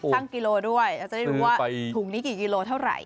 ชั่งกิโลกรัมด้วยจะได้รู้ว่าถุงนี้กี่กิโลกรัมเท่าไหร่